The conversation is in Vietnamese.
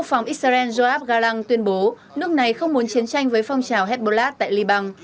ông galang tuyên bố nước này không muốn chiến tranh với phong trào hezbollah tại liban